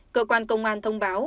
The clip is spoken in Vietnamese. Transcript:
cơ quan công an thông báo